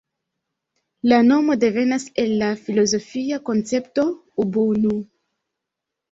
La nomo devenas el la filozofia koncepto Ubuntu.